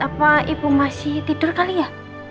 apa ibu masih tidur kali ya